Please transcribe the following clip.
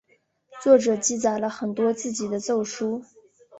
作者记载了很多自己的奏疏。